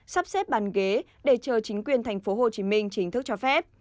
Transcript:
sắp xếp bàn ghế để chờ chính quyền thành phố hồ chí minh chính thức cho phép